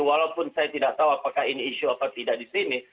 walaupun saya tidak tahu apakah ini isu apa tidak di sini